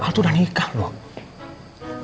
al tuh udah nikah loh